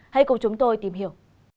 hãy cùng chúng tôi tìm hiểu